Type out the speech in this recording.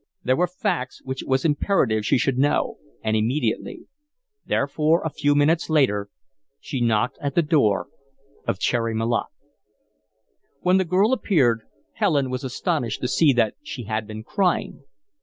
There were facts which it was imperative she should know, and immediately; therefore, a few minutes later, she knocked at the door of Cherry Malotte. When the girl appeared, Helen was astonished to see that she had been crying.